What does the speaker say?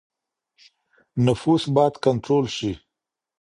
نفوس بايد کنټرول سي.